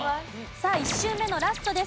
さあ１周目のラストです。